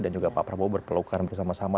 juga pak prabowo berpelukan bersama sama